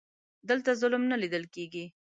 دلته ظلم نه لیده کیږي.